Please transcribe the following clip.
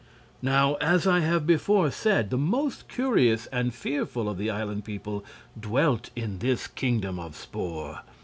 Now, as I have before said, the most curious and fearful of the island people dwelt in this Kingdom of Spor.